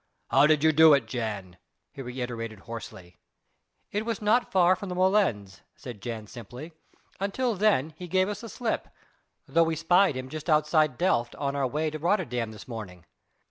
"How did you do it, Jan?" he reiterated hoarsely. "It was not far from the molens," said Jan simply, "until then he gave us the slip, though we spied him just outside Delft on our way to Rotterdam this morning.